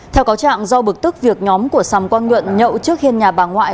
theo cáo trạng do bực tức việc nhóm của sầm quang nhuận nhậu trước hiên nhà bà ngoại